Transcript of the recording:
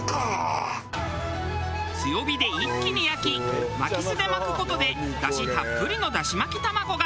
強火で一気に焼き巻きすで巻く事で出汁たっぷりのだし巻き玉子が。